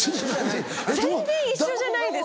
全然一緒じゃないです。